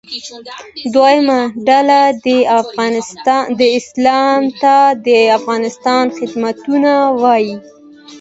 دویمه ډله دې اسلام ته د افغانستان خدمتونه ووایي.